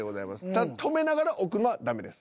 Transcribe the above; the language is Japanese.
ただ止めながら置くのはダメです。